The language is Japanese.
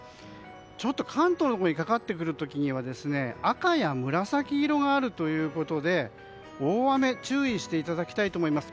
関東のほうにかかってくる時には赤や紫いろがあるということで大雨に注意していただきたいと思います。